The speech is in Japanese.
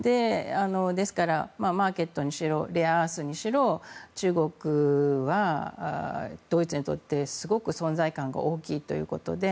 ですから、マーケットにしろレアアースにしろ中国はドイツにとってすごく存在感が大きいということで。